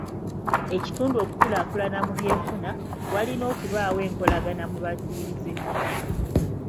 Ekitundu okukulaakulana mu by'enfuna, walina okubaawo enkolagana mu batuuze.